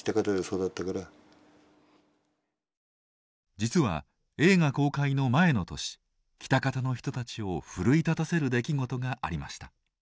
実は映画公開の前の年喜多方の人たちを奮い立たせる出来事がありました。